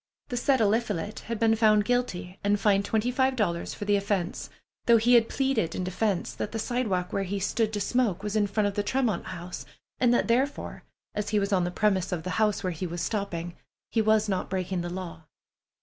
The said Eliphalet had been found guilty and fined twenty five dollars for the offense, though he had pleaded in defense that the sidewalk where he stood to smoke was in front of the Tremont House, and that therefore, as he was on the premises of the house where he was stopping, he was not breaking the law.